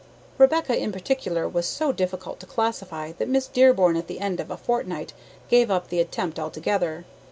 Rebecca in particular was so difficult to classify that Miss Dearborn at the end of a fortnight gave up the attempt altogether.